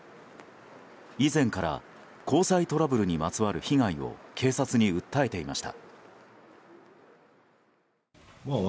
以前から交際トラブルにまつわる被害を警察に訴えていました。